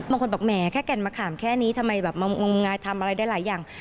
บางคนบอกแหมแค่แก่นมะขามแค่นี้ทำไมแบบมางมงายทำอะไรได้หลายอย่าง